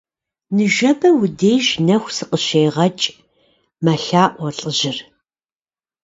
Ныжэбэ уи деж нэху сыкъыщегъэкӀ, - мэлъаӀуэ лӀыжьыр.